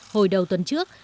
hồi đầu tuần trước